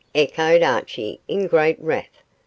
echoed Archie, in great wrath.